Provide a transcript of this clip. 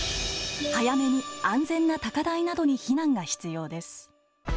早めに安全な高台などに避難が必要です。